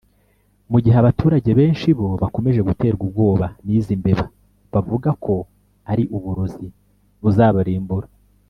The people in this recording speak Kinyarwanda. mu gihe abaturage benshi bo bakomeje guterwa ubwoba n’izi mbeba bavuga ko ari uburozi buzabarimbura